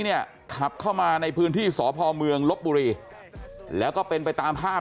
เนี่ยขับเข้ามาในพื้นที่สพเมืองลบบุรีแล้วก็เป็นไปตามภาพ